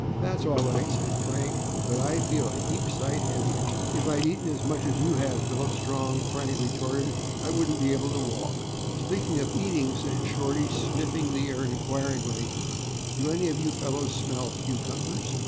"That's all right," said Frank, "but I feel a heap sight heavier." "You shouldn't have eaten so much," Shorty reproved him. "If I'd eaten as much as you have, Philip Strong," Frank retorted, "I wouldn't be able to walk." "Speaking of eating," said Shorty, sniffing the air inquiringly, "do any of you fellows smell cucumbers?"